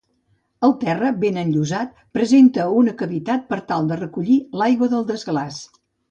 El terra, ben enllosat, presenta una cavitat per tal de recollir l'aigua del desglaç.